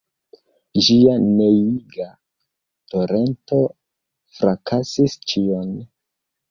Ĝia neniiga torento frakasis ĉion.